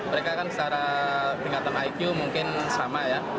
mereka kan secara peringatan iq mungkin sama ya